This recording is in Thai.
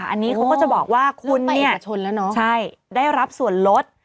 อันนี้เขาก็จะบอกว่าคุณเนี่ยได้รับส่วนลด